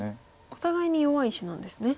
お互いに弱い石なんですね。